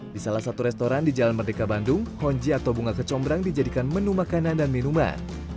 di salah satu restoran di jalan merdeka bandung honji atau bunga kecombrang dijadikan menu makanan dan minuman